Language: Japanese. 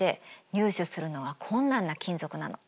入手するのが困難な金属なの。